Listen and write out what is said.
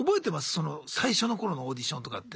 その最初の頃のオーディションとかって。